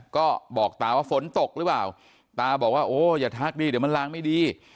ก็บอกตาว่าฝนตกหรือเปล่าตาบอกว่าโอ้อย่าทักดิเดี๋ยวมันลางไม่ดี